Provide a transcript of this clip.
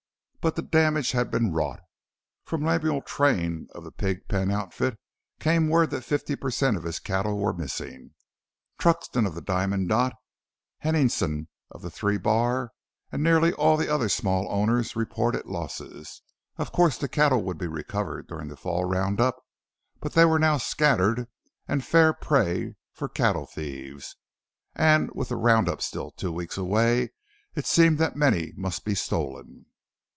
But the damage had been wrought. From Lemuel Train of the Pig Pen outfit, came word that fifty per cent of his cattle were missing. Truxton of the Diamond Dot, Henningson of the Three Bar, and nearly all of the other small owners, reported losses. Of course the cattle would be recovered during the fall round up, but they were now scattered and fair prey for cattle thieves, and with the round up still two weeks away it seemed that many must be stolen.